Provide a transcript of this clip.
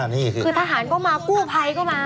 นี่คือทหารก็มากู้ภัยก็มา